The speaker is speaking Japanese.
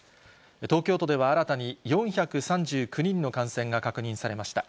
東京都では新たに４３９人の感染が確認されました。